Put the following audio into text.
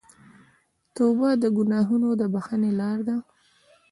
توبه د ګناهونو د بخښنې لاره ده.